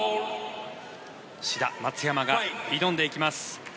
志田・松山が挑んでいきます。